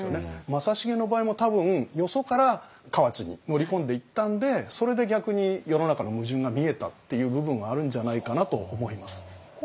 正成の場合も多分よそから河内に乗り込んでいったんでそれで逆に世の中の矛盾が見えたっていう部分はあるんじゃないかなと思います。